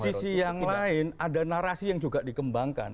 di sisi yang lain ada narasi yang juga dikembangkan